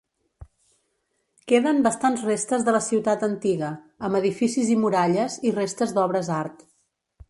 Queden bastants restes de la ciutat antiga, amb edificis i muralles i restes d'obres art.